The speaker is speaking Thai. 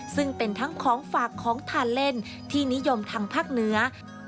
ซึ่งเป็นทั้งของฝากของทานเล่นที่นิยมทางภาคเหนือ